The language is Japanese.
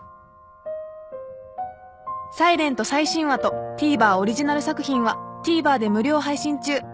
［『ｓｉｌｅｎｔ』最新話とＴＶｅｒオリジナル作品はＴＶｅｒで無料配信中］